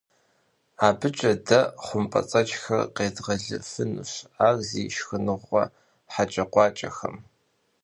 АбыкӀэ дэ хъумпӀэцӀэджхэр къедгъэлыфынущ ар зи шхыныгъуэ хьэкӀэкхъуэкӀэхэм.